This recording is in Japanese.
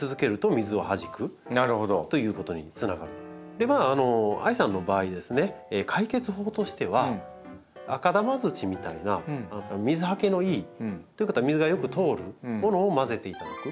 ではあいさんの場合ですね解決法としては赤玉土みたいな水はけのいいということは水がよく通るものを混ぜていただく。